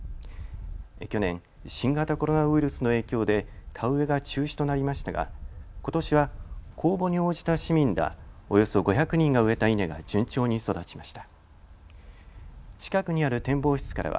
去年、新型コロナウイルスの影響で田植えが中止となりましたがことしは公募に応じた市民らおよそ５００人が植えた稲が順調に育ちました。